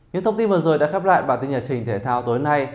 những thông tin vừa rồi đã khép lại bản tin nhật trình thể thao tối nay